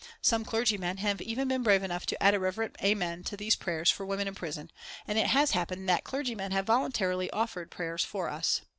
Some clergymen have even been brave enough to add a reverent amen to these prayers for women in prison, and it has happened that clergymen have voluntarily offered prayers for us.